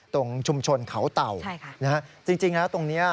ตรงชุมชนเขาเต่าจริงแล้วตรงนี้